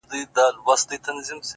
ما خپل گڼي اوس يې لا خـپـل نه يـمه.!